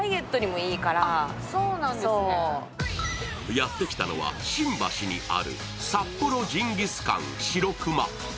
やって来たのは、新橋にある札幌成吉思汗しろくま。